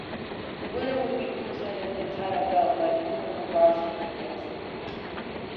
The winner would be presented the title belt by former boxer Mike Tyson.